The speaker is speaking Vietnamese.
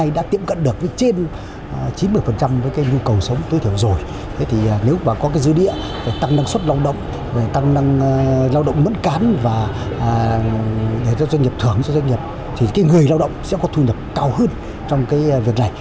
để cho doanh nghiệp thưởng cho doanh nghiệp thì người lao động sẽ có thu nhập cao hơn trong việc này